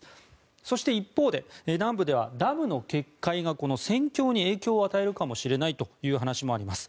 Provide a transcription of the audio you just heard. そして一方で南部ではダムの決壊が戦況に影響を与えるかもしれないという話もあります。